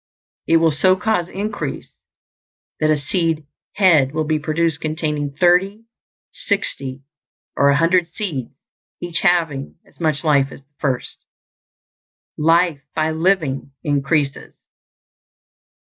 It will so cause increase that a seed head will be produced containing thirty, sixty, or a hundred seeds, each having as much life as the first. Life, by living, increases.